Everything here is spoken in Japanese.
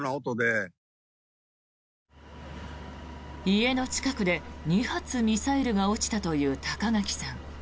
家の近くで２発ミサイルが落ちたという高垣さん。